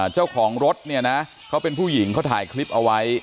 เจ้าของรถเนี่ยนะเขาเป็นผู้หญิงเขาถ่ายคลิปเอาไว้